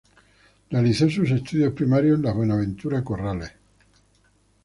Realizó sus estudios primarios en la Buenaventura Corrales.